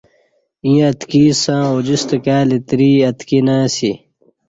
ایں اتکی اسسں اوجِستہ کائی لتری اتکی نہ اسی